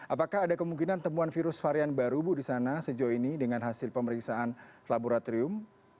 apakah ada kemungkinan temuan virus varian baru ibu di sana sejauh ini dengan hasil pemeriksaan laboratorium